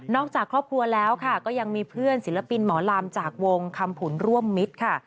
จากครอบครัวแล้วค่ะก็ยังมีเพื่อนศิลปินหมอลำจากวงคำผุนร่วมมิตรค่ะ